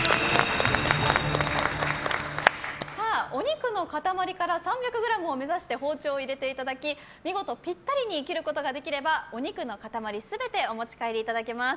お肉の塊から３００ｇを目指して包丁を入れていただき見事ピッタリに切ることができればお肉の塊全てお持ち帰りいただきます。